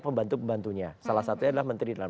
pembantu pembantunya salah satunya adalah menteri dalam